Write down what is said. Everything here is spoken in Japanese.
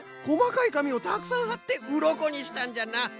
こまかいかみをたくさんはってウロコにしたんじゃな。